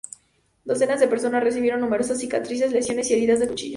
Docenas de personas recibieron numerosas cicatrices, lesiones y heridas de cuchillo.